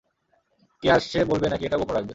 কে আসছে বলবে নাকি এটাও গোপন রাখবে?